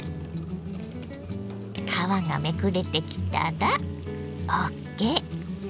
皮がめくれてきたらＯＫ！